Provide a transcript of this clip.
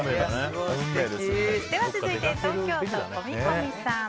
続いて、東京都の方。